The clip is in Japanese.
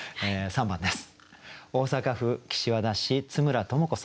３番です。